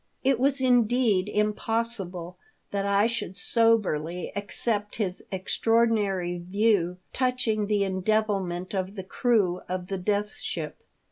It was indeed impossible that I should soberly accept his extraordinary view touching the endevilment of the crew of the Death Ship.